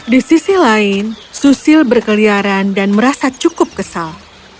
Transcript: di sisi lain susil berkeliaran dan merasa cukup kesal